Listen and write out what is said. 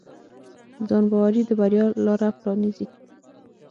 ځانباوري د بریا لاره پرانیزي.